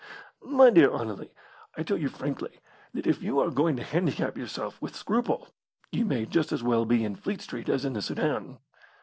My dear Anerley, I tell you frankly that if you are going to handicap yourself with scruple you may just as well be in Fleet Street as in the Soudan.